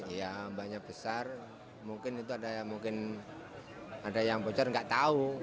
ya obaknya besar mungkin itu ada yang bocor nggak tahu